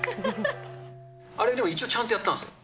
あれ、一応ちゃんとやったんです。